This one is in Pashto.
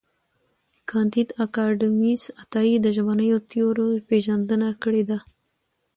کانديد اکاډميسن عطایي د ژبنیو تیورۍ پېژندنه کړې ده.